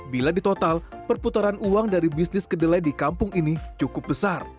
bila di total perputaran uang dari bisnis kedelai di kampung ini cukup besar